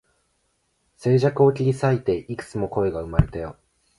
静寂を切り裂いて、幾つも声が生まれたよ